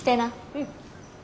うん。